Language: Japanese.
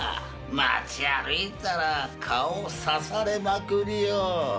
町歩いたら顔さされまくりよ。